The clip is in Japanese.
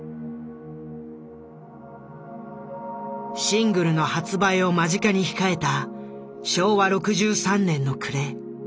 シングルの発売を間近に控えた昭和６３年の暮れ。